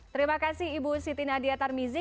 terima kasih ibu siti nadia tarmizi